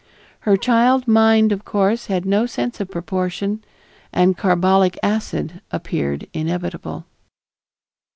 Her child mind, of course, had no sense of proportion, and carbolic acid appeared inevitable.